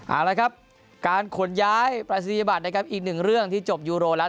เอาละครับการขนย้ายปรายศนียบัตรนะครับอีกหนึ่งเรื่องที่จบยูโรแล้ว